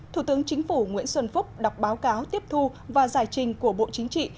thủ tướng chính phủ nguyễn xuân phúc đọc báo cáo tiếp thu và giải trình của bộ chính trị